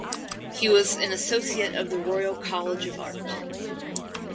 He was an associate of the Royal College of Art.